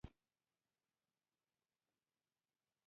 اریانا افغان هوایی شرکت ملي دی